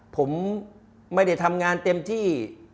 ผมไม่ได้ทำงานเต็มที่